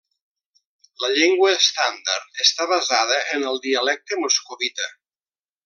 La llengua estàndard està basada en el dialecte moscovita.